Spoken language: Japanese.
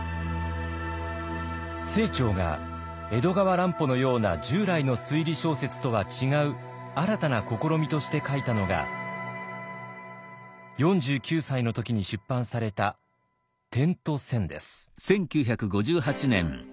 清張が江戸川乱歩のような従来の推理小説とは違う新たな試みとして書いたのが４９歳の時に出版された「点と線」です。